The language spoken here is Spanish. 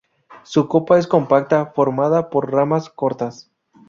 Su copa es compacta, formada por ramas cortas.